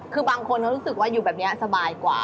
คือบางคนเขารู้สึกว่าอยู่แบบนี้สบายกว่า